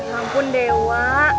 ya ampun dewa